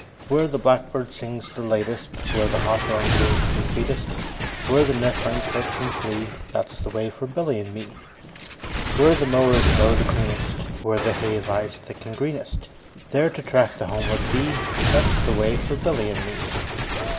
Where the blackbird sings the latest, 5 Where the hawthorn blooms the sweetest, Where the nestlings chirp and flee, That 's the way for Billy and me. Where the mowers mow the cleanest, Where the hay lies thick and greenest, 10 There to track the homeward bee, That 's the way for Billy and me.